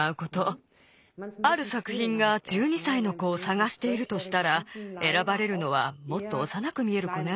あるさくひんが１２さいの子をさがしているとしたらえらばれるのはもっとおさなく見える子ね。